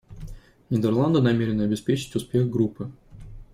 Нидерланды намерены обеспечить успех группы.